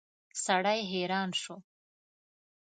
سړی حیران شو.